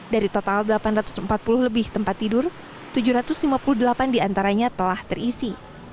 dari total delapan ratus empat puluh lebih tempat tidur tujuh ratus lima puluh delapan diantaranya telah terisi